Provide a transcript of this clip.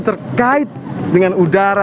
terkait dengan udara